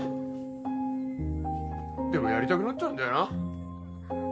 でもやりたくなっちゃうんだよな。